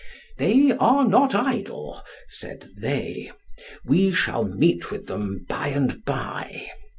They are not idle, said they. We shall meet with them by and by.